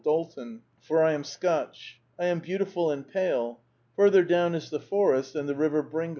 Dalton, for I am Scotch ; I am beautiful and pale. Further down is the forest and the river Bringal.